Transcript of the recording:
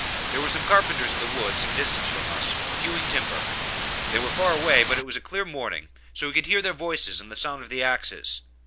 There were some carpenters in the woods, some distance from us, hewing timber; they were far away, but it was a clear morning, so we could hear their voices and the sound of the axes.